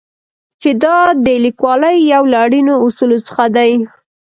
چې دا د لیکوالۍ یو له اړینو اصولو څخه دی.